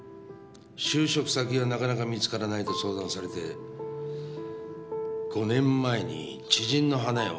就職先がなかなか見つからないと相談されて５年前に知人の花屋を紹介しました。